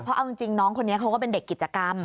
เพราะเอาจริงน้องคนนี้เขาก็เป็นเด็กกิจกรรม